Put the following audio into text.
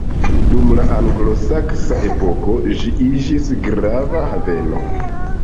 Dum la anglosaksa epoko ĝi iĝis grava haveno.